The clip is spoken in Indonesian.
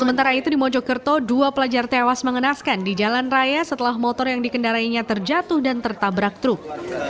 sementara itu di mojokerto dua pelajar tewas mengenaskan di jalan raya setelah motor yang dikendarainya terjatuh dan tertabrak truk